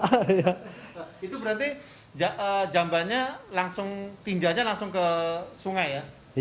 itu berarti jambannya langsung tinjanya langsung ke sungai ya